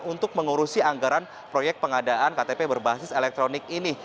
untuk mengurusi anggaran proyek pengadaan ktp berbasis elektronik ini